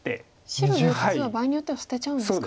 白４つは場合によっては捨てちゃうんですか。